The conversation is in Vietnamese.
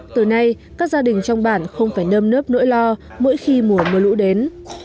từ nay các gia đình trong bản không phải nơm nớp nỗi lo mỗi khi mùa mưa lũ đến